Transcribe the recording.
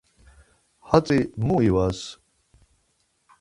Hatzi mu ivas?